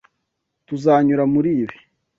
Tuzanyura muri ibi.